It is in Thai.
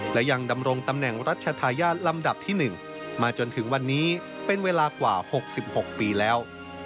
และยังดำรงตำแหน่งรัชธาญาติลำดับที่๑มาจนถึงวันนี้เป็นเวลากว่า๖๖ปีแล้ว